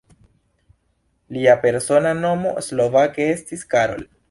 Lia persona nomo slovake estis "Karol".